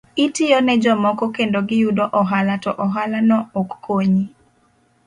Itiyo ne jomoko kendo giyudo ohala to in ohala no ok konyi.